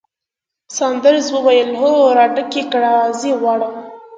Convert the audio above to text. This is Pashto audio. ساندرز وویل: هو، راډک یې کړه، زه یې غواړم.